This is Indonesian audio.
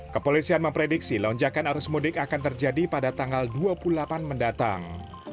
kepolisian memprediksi lonjakan arus mudik akan terjadi pada tanggal dua puluh delapan mendatang